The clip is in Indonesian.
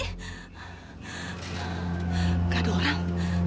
gak ada orang